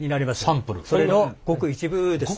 それのごく一部です。